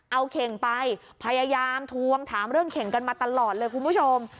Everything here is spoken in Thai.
เอาเข่งไปพยายามทวงถามเรื่องเข่งกันมาตลอดเลยคุณผู้ชม